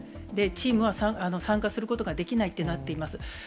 チームは参加することができないってなっています。